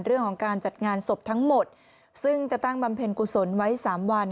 เรื่องของการจัดงานศพทั้งหมดซึ่งจะตั้งบำเพ็ญกุศลไว้สามวัน